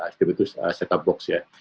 stb itu set up box ya